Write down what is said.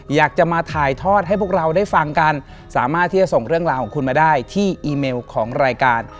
อยากจะมาถ่ายทอดให้พวกเราได้ฟังกันสามารถที่จะส่งเรื่องราวของคุณมาได้ที่อีเมลของรายการ